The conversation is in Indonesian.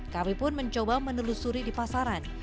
kami pun mencoba menelusuri di pasaran